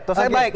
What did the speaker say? terus saya baik